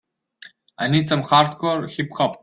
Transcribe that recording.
I need some Hardcore Hip Hop